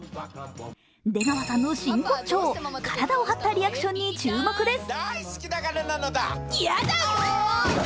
出川さんの真骨頂、体を張ったリアクションに注目です。